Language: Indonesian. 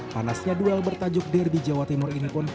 panasnya duel bertajuk diri di jawa timur ini pun